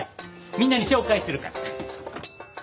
みんなに紹介するから。